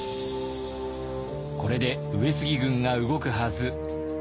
これで上杉軍が動くはず。